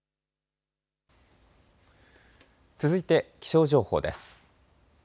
続いて気象情報です。